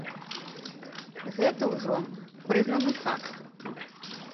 Гэта ўжо прызнаны факт.